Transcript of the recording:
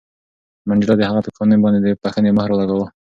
منډېلا د هغه په پښېمانۍ باندې د بښنې مهر ولګاوه.